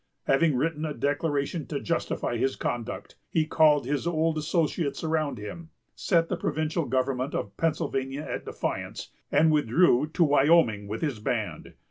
Having written a declaration to justify his conduct, he called his old associates around him, set the provincial government of Pennsylvania at defiance, and withdrew to Wyoming with his band.